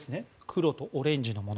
黒とオレンジの布